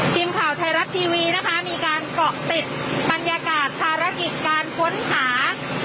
ทีมข่าวไทยรัฐทีวีนะคะมีการเกาะติดบรรยากาศภารกิจการค้นหา